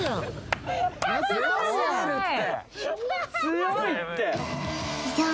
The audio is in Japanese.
強いって！